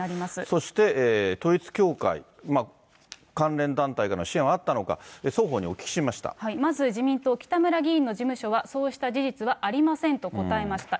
そして統一教会、関連団体からの支援はあったのか、双方におまず自民党、北村議員の事務所は、そうした事実はありませんと答えました。